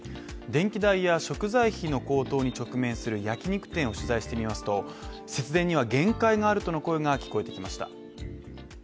電気代や食材費の高騰に直面する焼き肉店を取材してみますと節電には限界があるとの声が聞こえてきました。